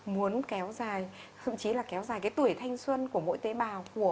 muốn kéo dài thậm chí là kéo dài cái tuổi thanh xuân của mỗi tế bào của